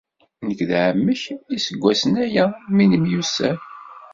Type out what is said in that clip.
Nekk d εemmi-k, d iseggasen-aya mi nemyussan.